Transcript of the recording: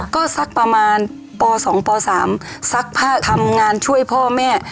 ก็สักประมาณป๒ป๓ซักผ้าทำงานช่วยพ่อแม่